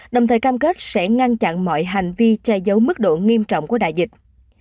đồng thời cam kết sẽ ngăn chặn mọi hành vi trai dấu mức độ nghiêm trọng của đại dịch